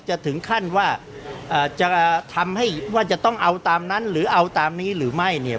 จะถึงขั้นว่าจะทำให้ว่าจะต้องเอาตามนั้นหรือเอาตามนี้หรือไม่เนี่ย